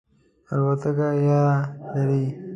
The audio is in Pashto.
الوتکه یره لرئ؟